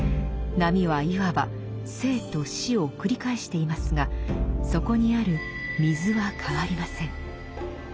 波はいわば生と死を繰り返していますがそこにある水は変わりません。